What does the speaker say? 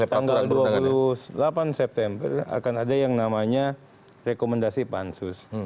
tanggal dua puluh delapan september akan ada yang namanya rekomendasi pansus